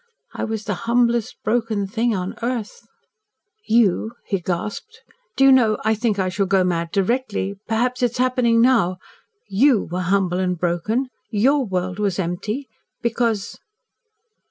I was the humblest broken thing on earth." "You!" he gasped. "Do you know I think I shall go mad directly perhaps it is happening now. YOU were humble and broken your world was empty! Because